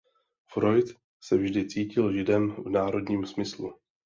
Freud se vždy cítil Židem v národním smyslu.